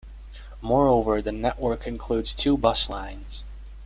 Moreover, the network includes two bus lines.